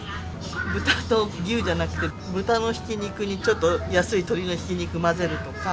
豚と牛じゃなくて、豚のひき肉にちょっと安い鶏のひき肉混ぜるとか。